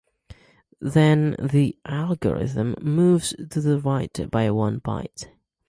Then, the algorithm moves to the right by one byte.